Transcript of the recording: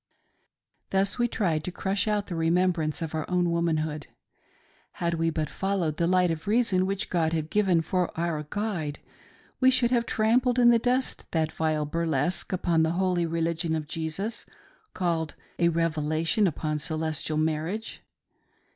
Thus we tried to crush out the remembrance of our own womanhood. Had we but followed the light of reason which God had given for our guide, we should have trampled in the dust that vile burlesque upon the holy religion of Jesus, called a " Revelation upon Celestial Marriage."